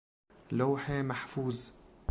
لوح محفوظ